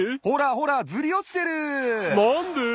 ほらほらずりおちてる。